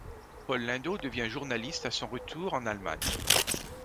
Paul Lindau devient journaliste, à son retour, en Allemagne.